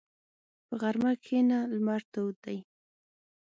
په غرمه کښېنه، لمر تود دی.